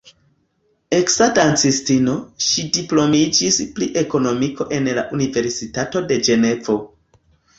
Eksa dancistino, ŝi diplomiĝis pri ekonomiko en la Universitato de Ĝenevo.